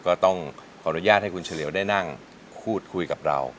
ก็ต้องขออนุญาตให้คุณเฉลี่ยวได้นั่งพูดคุยกับเรา